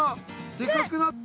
でかくなってる！